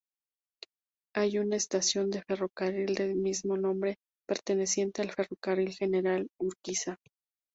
Hay una estación de ferrocarril del mismo nombre, perteneciente al Ferrocarril General Urquiza.